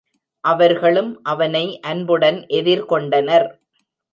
அவர்களும் அவனை அன்புடன் எதிர்கொண்டனர்.